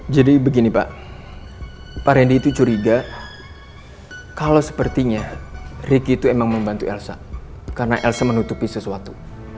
jadi begini pak pak rendy itu curiga kalau sepertinya ricky itu emang membantu elsa karena elsa menutupi sesuatu